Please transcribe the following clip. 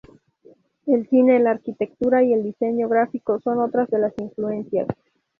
El cine, la arquitectura y el diseño gráfico son otras de las influencias.